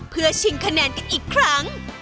เพื่อชิงคะแนนกันอีกครั้ง